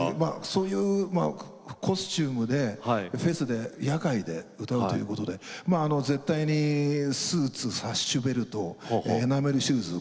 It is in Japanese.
そういうコスチュームでフェスで野外で歌うということで絶対にスーツサッシュベルトエナメルシューズ。